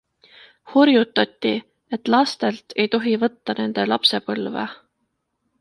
Hurjutati, et lastelt ei tohi võtta nende lapsepõlve.